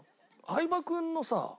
相葉君のさ